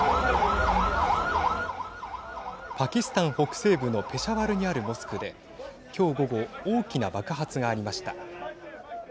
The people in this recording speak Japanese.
パキスタン北西部のペシャワルにあるモスクで今日午後大きな爆発がありました。